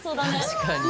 確かに。